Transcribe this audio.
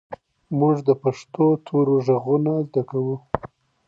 موږ د پښتو تورو ږغونه زده کوو.